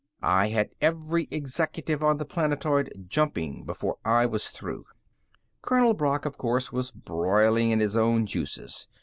I had every executive on the planetoid jumping before I was through. Colonel Brock, of course, was broiling in his own juices.